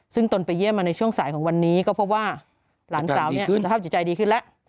ซึ่งตนไปเยี่ยมมาในช่วงสายของวันนี้ก็พบว่าหลานสาวเนี่ยสภาพจิตใจดีขึ้นแล้ว